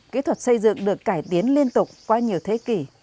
kỹ thuật xây dựng được cải tiến liên tục qua nhiều thế kỷ